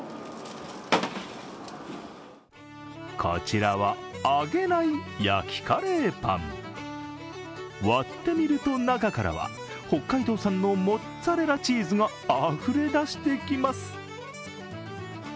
こちらは揚げない、焼きカレーパン割ってみると、中からは北海道産のモッツァレラチーズがあふれ出してきます。